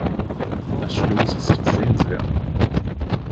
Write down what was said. Das Schloss ist sehenswert.